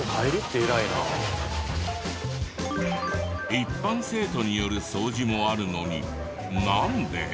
一般生徒による掃除もあるのになんで？